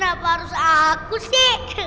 jangan berseru juga kali